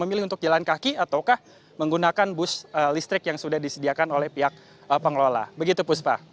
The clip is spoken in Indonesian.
memilih untuk jalan kaki ataukah menggunakan bus listrik yang sudah disediakan oleh pihak pengelola begitu puspa